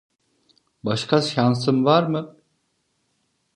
Başka şansım var mı?